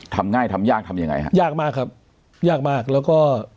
ทำง่ายทำยากทำยังไงฮะยากมากครับยากมากแล้วก็